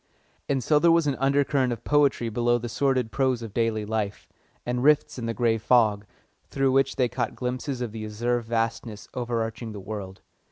And so there was an undercurrent of poetry below the sordid prose of daily life, and rifts in the grey fog, through which they caught glimpses of the azure vastness overarching the world.